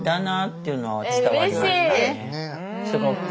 すごく。